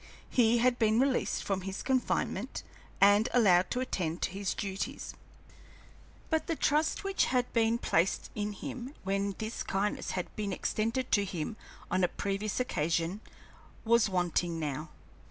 He had been released from his confinement and allowed to attend to his duties, but the trust which had been placed in him when this kindness had been extended to him on a previous occasion was wanting now.